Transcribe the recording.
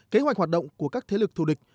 kế hoạch hoạt động của các thế lực thù địch